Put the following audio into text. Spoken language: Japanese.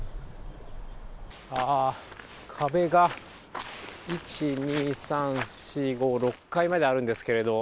ああ、壁が１、２、３、４、５、６階まであるんですけれども、